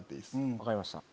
分かりました。